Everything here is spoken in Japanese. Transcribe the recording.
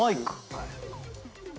はい。